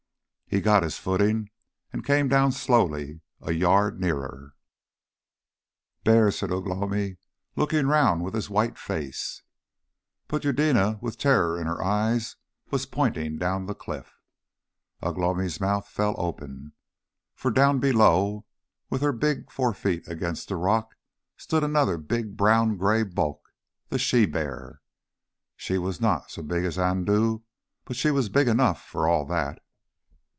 He got his footing, and came down slowly, a yard nearer. "Bear," said Ugh lomi, looking round with his face white. But Eudena, with terror in her eyes, was pointing down the cliff. Ugh lomi's mouth fell open. For down below, with her big fore feet against the rock, stood another big brown grey bulk the she bear. She was not so big as Andoo, but she was big enough for all that.